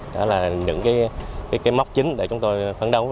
đó là những cái móc chính để chúng tôi phấn đấu